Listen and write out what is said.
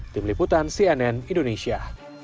di meliputan cnn indonesia